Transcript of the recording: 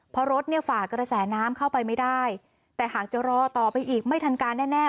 เพราะรถเนี่ยฝ่ากระแสน้ำเข้าไปไม่ได้แต่หากจะรอต่อไปอีกไม่ทันการแน่